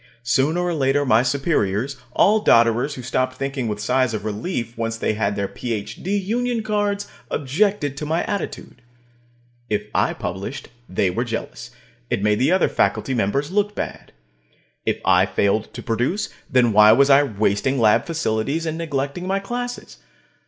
Sooner or later my superiors, all dodderers who stopped thinking with sighs of relief once they had their PhD union cards, objected to my attitude. If I published, they were jealous; it made the other faculty members look bad. If I failed to produce, then why was I wasting lab facilities and neglecting my classes?